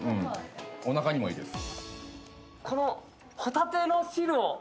お腹にもいいです。